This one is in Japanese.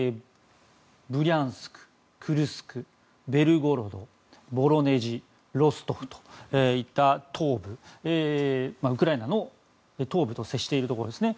ブリャンスク、クルスクベルゴロドボロネジ、ロストフといったウクライナの東部と接しているところですね。